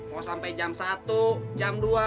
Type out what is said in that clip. mau sampai jam satu jam dua